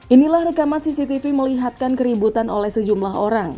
inilah rekaman cctv melihatkan keributan oleh sejumlah orang